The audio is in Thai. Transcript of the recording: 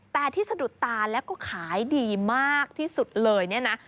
แต่ที่สะดุดตาแล้วก็ขายดีมากที่สุดเลยเนี่ยนะ